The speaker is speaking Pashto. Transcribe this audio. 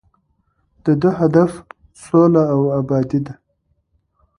د ده هدف سوله او ابادي ده.